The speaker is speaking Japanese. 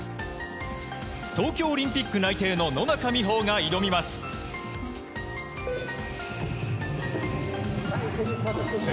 東京オリンピック内定の野中生萌が挑みます。